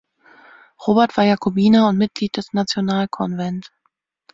Robert war Jakobiner und Mitglied des Nationalkonvent.